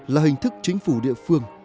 là hình thức chính phủ địa phương